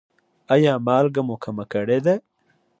ایا مالګه مو کمه کړې ده؟